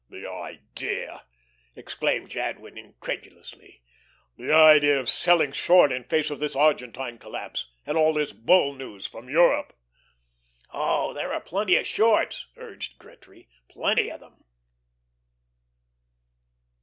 "The idea," exclaimed Jadwin, incredulously, "the idea of selling short in face of this Argentine collapse, and all this Bull news from Europe!" "Oh, there are plenty of shorts," urged Gretry. "Plenty of them."